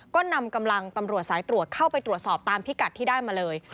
ก็นำกำลังตำรวจสายตรวจเข้าไปตรวจสอบตามพิกัดที่ได้มาเลย